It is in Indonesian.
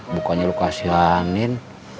bukannya lu kasihanin